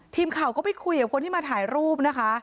ทีมข่าวก็ไปคุยกับคนที่มาถ่ายรูปนะคะ